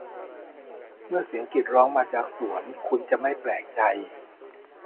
เมื่อเสียงกรีดร้องมาจากสวน คุณจะไม่แปลกใจ